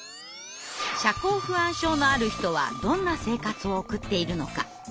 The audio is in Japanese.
社交不安症のある人はどんな生活を送っているのか。